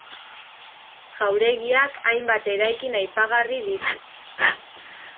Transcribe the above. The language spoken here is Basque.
Jauregiak hainbat eraikin aipagarri ditu.